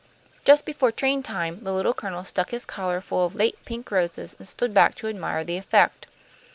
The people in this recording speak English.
Just before train time, the Little Colonel stuck his collar full of late pink roses, and stood back to admire the effect.